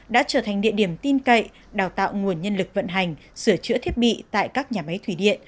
đã trở thành địa điểm tin cậy đào tạo nguồn nhân lực vận hành sửa chữa thiết bị tại các nhà máy thủy điện